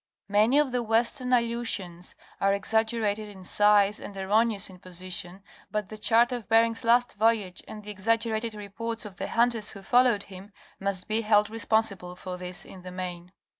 Many of the western Aleutians are exaggerated in size and erroneous in position but the chart of Bering's last voyage, and the exaggerated reports of the hunters who followed him, must be held responsible for this, in the main.